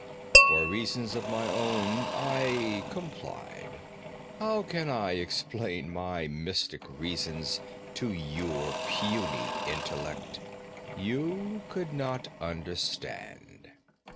For reasons of my own, I complied. How can I explain my mystic reasons to your puny intellect? You could not understand.'